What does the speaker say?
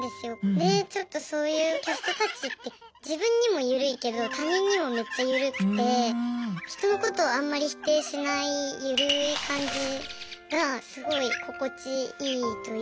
でちょっとそういうキャストたちって自分にも緩いけど他人にもめっちゃ緩くて人のことをあんまり否定しない緩い感じがすごい心地いいというか。